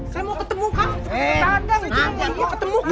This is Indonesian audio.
saya mau ketemu kang